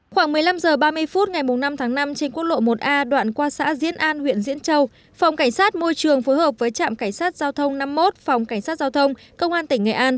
khoảng một mươi năm h ba mươi phút ngày năm tháng năm trên quốc lộ một a đoạn qua xã diễn an huyện diễn châu phòng cảnh sát môi trường phối hợp với trạm cảnh sát giao thông năm mươi một phòng cảnh sát giao thông công an tỉnh nghệ an